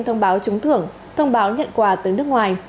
thông báo trúng thưởng thông báo nhận quà tới nước ngoài